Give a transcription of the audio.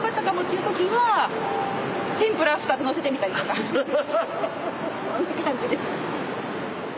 そんな感じです。